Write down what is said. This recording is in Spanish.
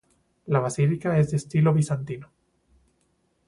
La Basílica es de estilo bizantino.